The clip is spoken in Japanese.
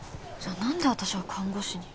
何で私は看護師に？